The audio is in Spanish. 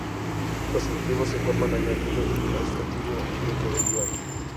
Los adjetivos se forman añadiendo -"ik" al sustantivo del que derivan.